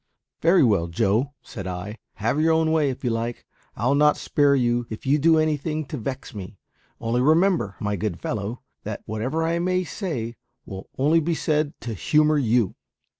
"Very well, Joe," said I; "have your own way, if you like. I'll not spare you if you do anything to vex me; only remember, my good fellow, that whatever I may say will only be said to humour you."